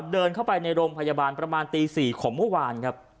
เดินเข้าไปในโรงพยาบาลประมาณตี๔ของเมื่อวานครับ